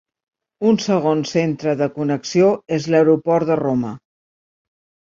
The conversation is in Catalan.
Un segon centre de connexió és l'Aeroport de Roma.